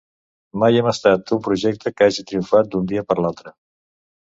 Mai hem estat un projecte que hagi triomfat d’un dia per l’altre.